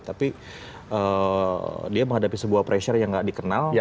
tapi dia menghadapi sebuah pressure yang gak dikenal